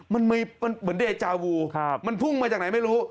มันมีเหมือนเดจาวูมันพุ่งมาจากไหนไม่รู้